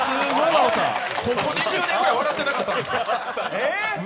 ここ２０年ぐらい笑ってなかったんですか？